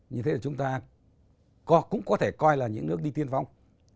như thế là chúng ta cũng có thể coi là những nước đi tiên phong